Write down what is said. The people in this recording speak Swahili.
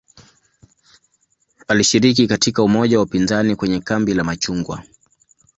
Alishiriki katika umoja wa upinzani kwenye "kambi la machungwa".